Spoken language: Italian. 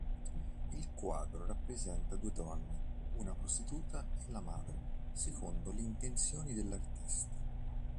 Il quadro rappresenta due donne, una prostituta e la madre, secondo le intenzioni dell'artista.